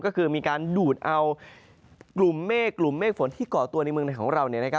ก็คือมีการดูดเอากลุ่มเมฆฝนที่ก่อตัวในเมืองของเรา